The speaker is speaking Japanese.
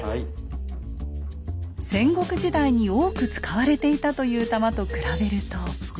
戦国時代に多く使われていたという弾と比べると。